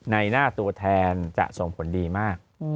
ในหน้าตัวแทนจะส่งผลดีมาก